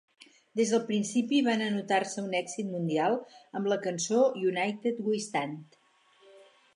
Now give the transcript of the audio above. Des del principi, van anotar-se un èxit mundial amb la cançó "United We Stand".